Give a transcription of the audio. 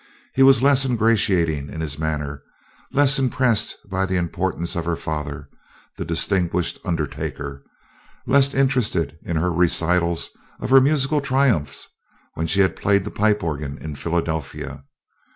He was less ingratiating in his manner, less impressed by the importance of her father, the distinguished undertaker; less interested in her recitals of her musical triumphs when she had played the pipe organ in Philadelphia.